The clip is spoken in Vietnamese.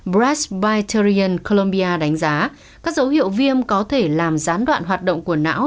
breast bacterian columbia đánh giá các dấu hiệu viêm có thể làm gián đoạn hoạt động của não